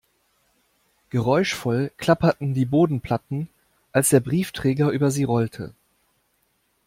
Geräuschvoll klapperten die Bodenplatten, als der Briefträger über sie rollte.